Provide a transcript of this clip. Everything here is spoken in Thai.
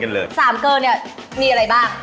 ๓เกลอเนี่ยมีอะไรบ้าง